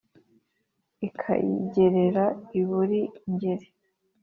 ikayigerera i buri-ngeri.